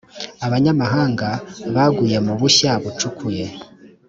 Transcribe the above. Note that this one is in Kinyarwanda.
abanyamahanga baguye mu bushya bacukuye